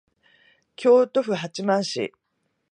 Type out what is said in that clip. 京都府八幡市